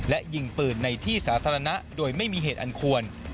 และยิงปืนในที่สาธารณะโดยไม่มีเหตุอันควร